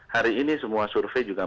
hari ini semua survei juga